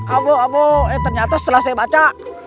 abo abo eh ternyata setelah saya baca